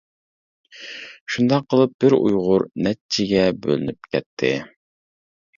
شۇنداق قىلىپ بىر ئۇيغۇر نەچچىگە بۆلىنىپ كەتتى.